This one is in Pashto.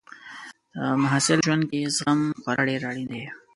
د محصل ژوند کې زغم خورا ډېر اړین دی.